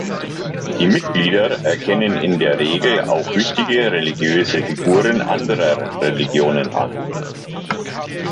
Die Mitglieder erkennen in der Regel auch wichtige religiöse Figuren anderer Religionen an.